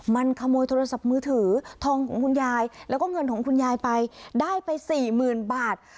มันขโมยโทรศัพท์มือถือทองของคุณยายแล้วก็เงินของคุณยายไปได้ไปสี่หมื่นบาท